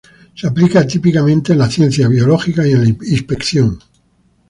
Se aplica típicamente en las ciencias biológicas y en la inspección.